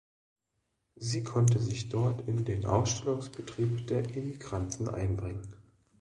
Sie konnte sich dort in den Ausstellungsbetrieb der Emigranten einbringen.